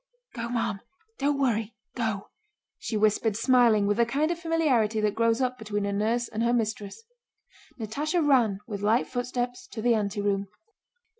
"Go, ma'am! Don't worry, go!" she whispered, smiling, with the kind of familiarity that grows up between a nurse and her mistress. Natásha ran with light footsteps to the anteroom.